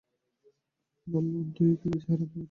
বললে, অন্তু, এ কী চেহারা তোমার?